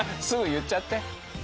すぐ言っちゃって。